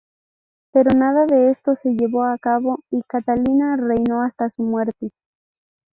Pero nada de esto se llevó a cabo, y Catalina reinó hasta su muerte.